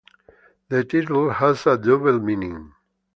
The title has a double meaning.